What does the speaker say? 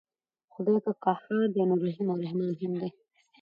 خدای که قهار دی نو رحیم او رحمن هم دی.